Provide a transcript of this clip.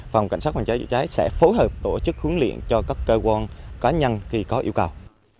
phòng cảnh sát phòng cháy chữa cháy sẽ phối hợp tổ chức hướng luyện cho các cơ quan cá nhân khi có yêu cầu